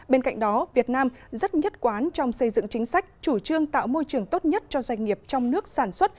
bên cạnh đó việt nam rất nhất quán trong xây dựng chính sách chủ trương tạo môi trường tốt nhất cho doanh nghiệp trong nước sản xuất